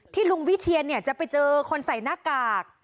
ลุงวิเชียนจะไปเจอคนใส่หน้ากาก